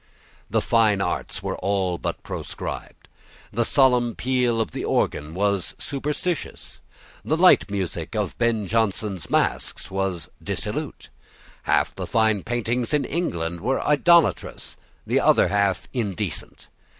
The fine arts were all but proscribed. The solemn peal of the organ was superstitious. The light music of Ben Jonson's masques was dissolute. Half the fine paintings in England were idolatrous, and the other half indecent.